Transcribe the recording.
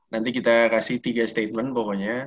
nanti kita kasih tiga statement pokoknya